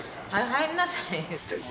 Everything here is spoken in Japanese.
入りなさい。